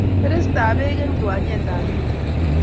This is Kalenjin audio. Bereist ab peek en kiwanjet ab mpiret